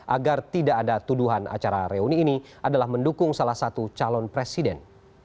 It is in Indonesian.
agar tidak ada tuduhan acara reuni ini adalah mendukung salah satu calon presiden